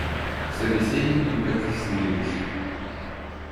Собеседники потеснились.